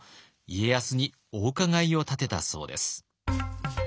家康にお伺いを立てたそうです。